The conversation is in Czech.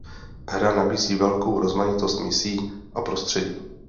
Hra nabízí velkou rozmanitost misí a prostředí.